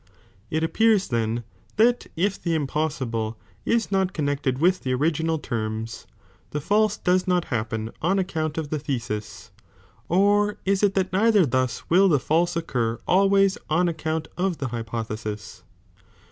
It appears then that if the impossible is not connected with the original t«rms, the false docs not happen on account of the thesis, or is it that neither thus will the false occur always ou account of the hypothesis